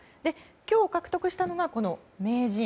今日獲得したのが名人。